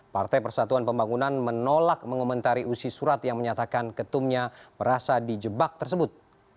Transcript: partai persatuan pembangunan menolak mengomentari usi surat yang menyatakan ketumnya berasa di jebak tersebut